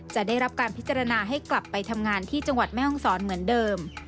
จะได้รับการพิจารณาให้กลับไปทำงานที่จังหวัดแม่ห้องศรเหมือนเดิม